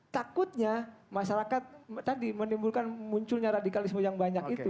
takutnya masyarakat tadi menimbulkan munculnya radikalisme yang banyak itu